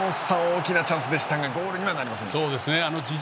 大きなチャンスでしたがゴールにはなりませんでした。